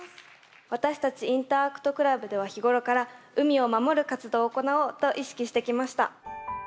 私たちインターアクトクラブでは日頃から海を守る活動を行おうと意識してきました。